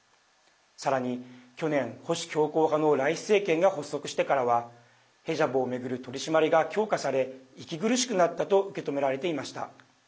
さらに去年、保守強硬派のライシ政権が発足してからはヘジャブを巡る取り締まりが強化され息苦しくなったと受け止められていました。